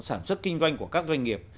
sản xuất kinh doanh của các doanh nghiệp